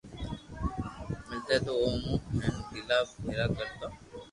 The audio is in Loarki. ملتي تو او مون ھين گلا ۾ ڀآرا ڪرتو